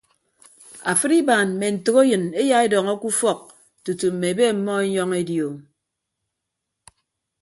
Afịd ibaan mme ntәkeyịn eya edọñọ ke ufọk tutu mme ebe ọmmọ enyọñ edi o.